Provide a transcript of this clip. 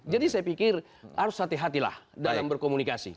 jadi saya pikir harus hati hatilah dalam berkomunikasi